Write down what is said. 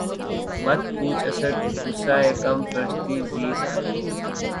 مت پوچھ اسد! غصۂ کم فرصتیِ زیست